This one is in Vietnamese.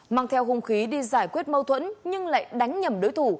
mang theo hung khí đi giải quyết mâu thuẫn nhưng lại đánh nhầm đối thủ